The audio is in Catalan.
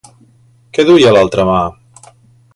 Què duia a l'altra mà?